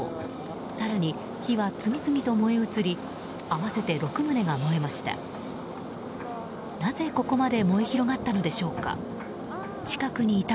更に、火は次々と燃え移り合わせて６棟が燃えました。